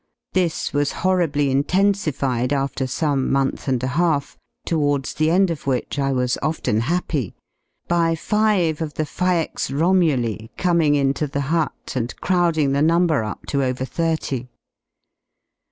V^ This was horribly intensified, after some month and a half, towards the end of which I was often i n happy, by five of the "faex Romuli" coming into the Hut and crowding the number up to over thirty.